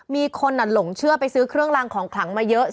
มีคนหลงเชื่อไปซื้อเครื่องรางของขลังมาเยอะ